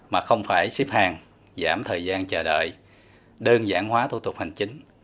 mà không phải xếp hàng giảm thời gian chờ đợi đơn giản hóa thủ tục hành chính